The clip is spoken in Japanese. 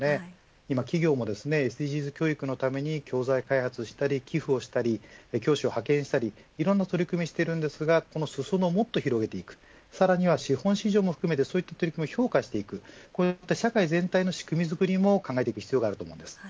今、企業もＳＤＧｓ教育のために教材開発をしたり寄付をしたり教師を派遣したり、いろんな取り組みをしていますがこの裾野を、もっと広げていくさらには資本市場も含めてそういった取り組みを評価していく社会全体の仕組みづくりも考えていく必要があると思います。